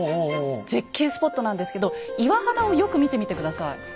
絶景スポットなんですけど岩肌をよく見てみて下さい。